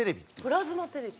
プラズマテレビ？